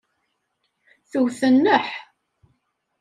Twet nneḥ.